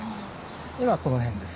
今この辺です。